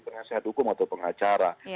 pengusaha hukum atau pengacara